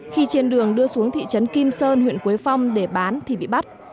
khi trên đường đưa xuống thị trấn kim sơn huyện quế phong để bán thì bị bắt